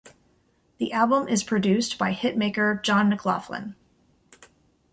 The album is produced by hit maker John McLaughlin.